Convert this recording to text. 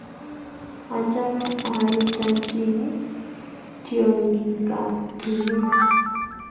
achame arutachini tiongikap tumin